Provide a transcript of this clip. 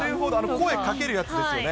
声かけるやつですよね。